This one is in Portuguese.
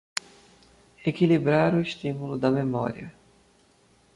Equilibrar o estímulo da memória